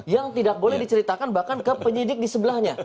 yang tidak boleh diceritakan bahkan ke penyidik di sebelahnya